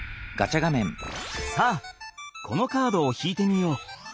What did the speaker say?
さあこのカードを引いてみよう！